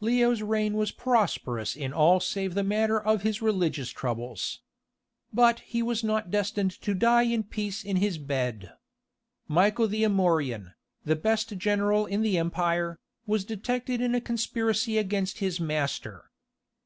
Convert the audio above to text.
Leo's reign was prosperous in all save the matter of his religious troubles. But he was not destined to die in peace in his bed. Michael the Amorian, the best general in the empire, was detected in a conspiracy against his master.